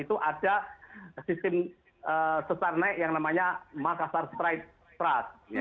itu ada sistem sesarnaik yang namanya makassar stride trust